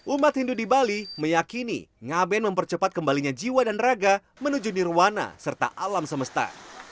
umat hindu di bali meyakini ngaben mempercepat kembalinya jiwa dan raga menuju nirwana serta alam semesta